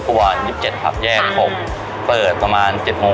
มีขอเสนออยากให้แม่หน่อยอ่อนสิทธิ์การเลี้ยงดู